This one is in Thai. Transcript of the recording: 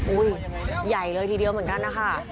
ใหญ่เลยทีเดียวเหมือนกันนะคะ